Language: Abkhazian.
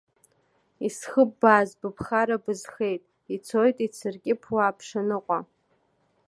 Исхыббааз быԥхара бызхеит, ицоит ицыркьыԥуа аԥшаныҟәа.